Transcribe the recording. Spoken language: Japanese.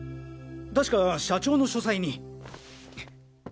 確か社長の書斎に。